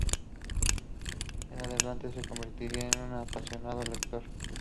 En adelante se convertiría en un apasionado lector.